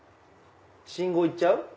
信号行っちゃう？